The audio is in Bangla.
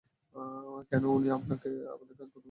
কেন উনি আপনাকে আমার কাজ করতে বলবেন?